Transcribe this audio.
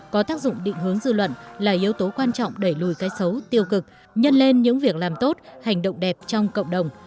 có tác dụng định hướng dư luận là yếu tố quan trọng đẩy lùi cái xấu tiêu cực nhân lên những việc làm tốt hành động đẹp trong cộng đồng